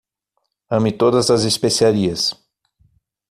Ame todas as especiarias.